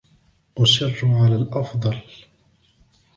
أصِرَّ على الأفضل.